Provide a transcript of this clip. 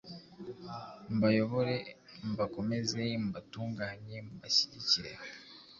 mbayobore, mbakomeze, mbatunganye, mbashyigikire,